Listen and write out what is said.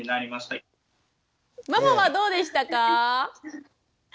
ママはどうでしたか？